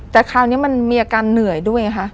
แต่คราวนี้มันมีอาการเหนื่อยด้วยไงคะ